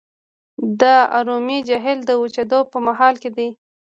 د ارومیې جهیل د وچیدو په حال کې دی.